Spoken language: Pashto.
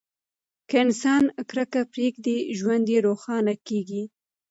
که انسان کرکه پریږدي، ژوند یې روښانه کیږي.